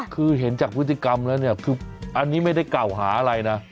คือเห็นจากพฤติกรรมแล้วเนี่ยคืออันนี้ไม่ได้กล่าวหาอะไรนะ